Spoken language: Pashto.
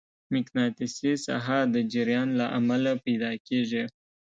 مقناطیسي ساحه د جریان له امله پیدا کېږي.